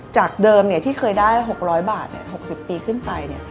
จากเดิมที่เคยได้๖๐๐บาท๖๐ปีขึ้นไป